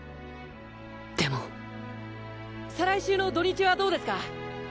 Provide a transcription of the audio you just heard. でも再来週の土日はどうですか？